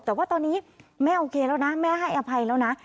แต่ว่าตอนนี้แม่โอเคแล้วนะแม่ให้อภัยแล้วนะ